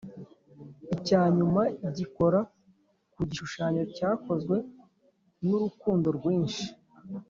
icya nyuma gikora ku gishushanyo cyakozwe nurukundo rwinshi,